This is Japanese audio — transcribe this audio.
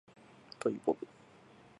トイボブ